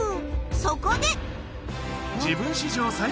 そこで！